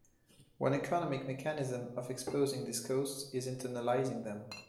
One economic mechanism of exposing these costs is internalizing them.